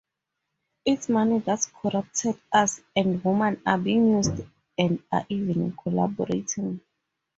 It's money that's corrupted us and women are being used and are even collaborating.